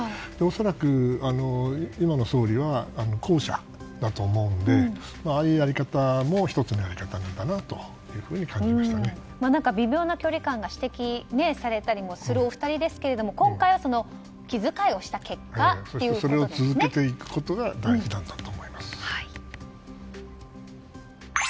恐らく今の総理は後者だと思うのでああいうやり方も１つのやり方なのかなと微妙な距離感が指摘されたりもするお二人ですけど今回は気遣いをした結果そしてそれを続けていくことが大事なんだと思います。